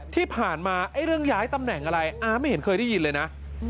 ที่ผ่านมาเรื่องย้ายตำแหน่งอะไรอาไม่เห็นเคยได้ยินเลยนะ